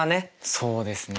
そうですね。